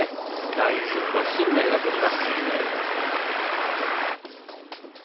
第１セットはシンネルが取りました。